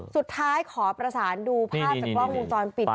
สุดท้ายขอประสานดูภาพจากกล้องมุมจรปิด